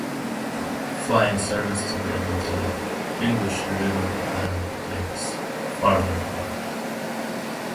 Fly-in service is available to the English River and lakes farther north.